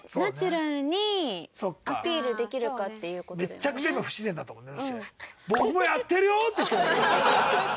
めちゃくちゃ今不自然だったもんね。